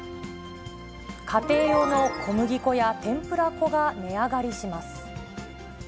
家庭用の小麦粉や天ぷら粉が値上がりします。